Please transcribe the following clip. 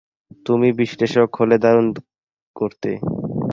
তুমি বিশ্লেষক হলে দারুণ করতে।